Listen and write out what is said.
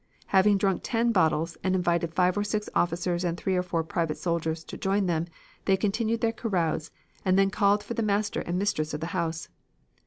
Having drunk ten bottles and invited five or six officers and three or four private soldiers to join them, they continued their carouse, and then called for the master and mistress of the house.